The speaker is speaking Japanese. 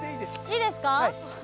いいですか？